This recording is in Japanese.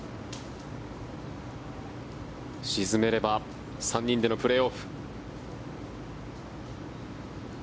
沈めれば３人でのプレーオフ。